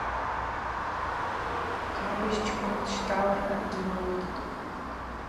Хъабыжьчкӏвын дщтӏалра гьйымуытӏ.